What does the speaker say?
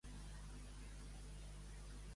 Què va dur a terme a la Universitat Harvard?